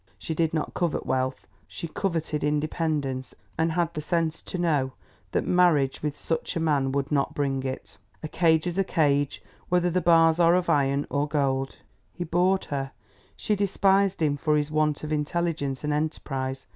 She did not covet wealth, she coveted independence, and had the sense to know that marriage with such a man would not bring it. A cage is a cage, whether the bars are of iron or gold. He bored her, she despised him for his want of intelligence and enterprise.